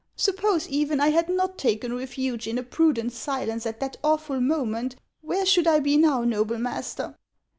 Suppose, even, I had not taken refuge in a prudent silence at that awful moment, where should I be now, noble master